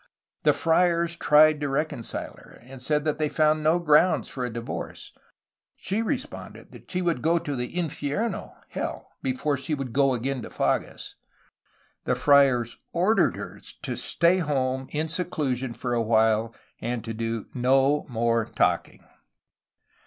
The friars tried to reconcile her, and said that they found no grounds for a divorce. She responded that she would go to the infiemo (Hell) before she would go again to Fages. The friars or dered her to stay at home in seclusion for a while and to do no more talking.